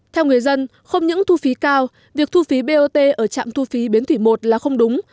theo người dân không những thu phí cao việc thu phí bot ở trạm thu phí bến thủy một là không đúng